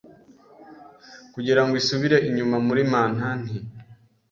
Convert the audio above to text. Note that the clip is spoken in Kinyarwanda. kugirango isubire inyuma muri mantanti